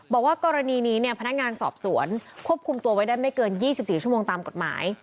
บอกว่ากรณีนี้พนักงานสอบสวนควบคุมตัวไว้ได้ไม่เกิน๒๔ชั่วโมงตามกฎหมาย